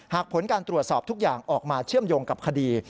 ผลการตรวจสอบทุกอย่างออกมาเชื่อมโยงกับคดี